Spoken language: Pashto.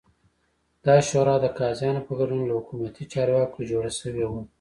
دا شورا د قاضیانو په ګډون له حکومتي چارواکو جوړه شوې وه